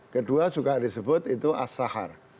kedua juga disebut itu as sahar